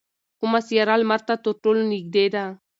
کومه سیاره لمر ته تر ټولو نږدې ده؟